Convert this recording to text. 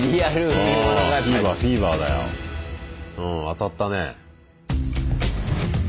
当たったね。